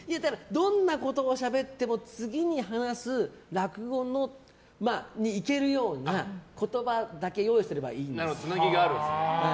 どんなことをしゃべっても次に話す落語に行けるような言葉だけを用意すればいいんです。